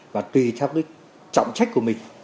và tùy theo cái trọng trách của mình